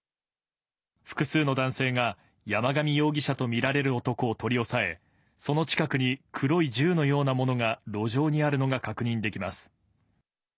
複数の男性が、山上容疑者と見られる男を取り押さえ、その近くに黒い銃のようなものが路上にあるのが確認できます。